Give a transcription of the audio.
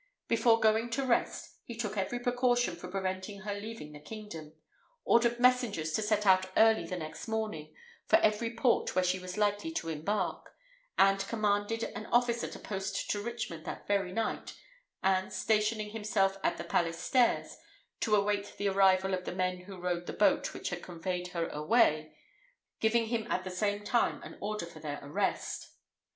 Before going to rest, he took every precaution for preventing her leaving the kingdom; ordered messengers to set out early the next morning for every port where she was likely to embark; and commanded an officer to post to Richmond that very night, and, stationing himself at the palace stairs, to await the arrival of the men who rowed the boat which had conveyed her away, giving him at the same time an order for their arrest.